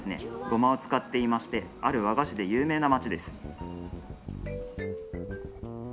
ゴマを使っていましてある和菓子で有名な街です。